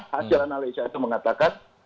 hasil analisa itu mengatakan